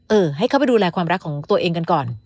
ให้เขาไปดูแลความรักของตัวเองกันก่อน